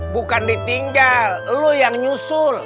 bukan ditinggal lo yang nyusul